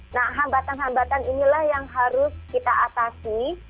nah hambatan hambatan inilah yang harus kita atasi